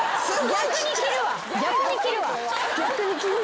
逆に着るわ！